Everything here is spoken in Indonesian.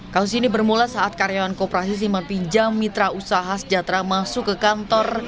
kasus ini bermula saat karyawan kooperasi simpan pinjam mitra usaha sejahtera masuk ke kantor